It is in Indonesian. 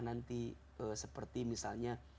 nanti seperti misalnya